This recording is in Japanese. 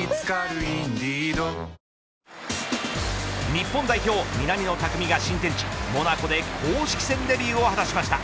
日本代表、南野拓実が新天地、モナコで公式戦デビューを果たしました。